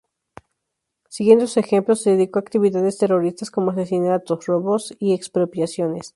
Siguiendo su ejemplo, se dedicó a actividades terroristas como asesinatos, robos y expropiaciones.